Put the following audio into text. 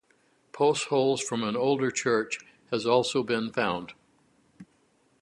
Post holes from an older church has also been found.